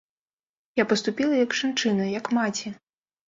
Я паступіла як жанчына, як маці.